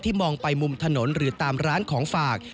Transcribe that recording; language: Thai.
มองไปมุมถนนหรือตามร้านของฝาก